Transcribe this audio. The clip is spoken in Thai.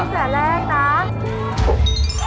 แป้นแสดงแรกนะ